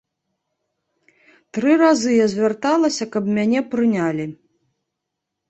Тры разы я звярталася, каб мяне прынялі.